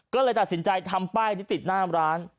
ก็เลยตัดสินใจทำป้ายที่ติดหน้าร้าน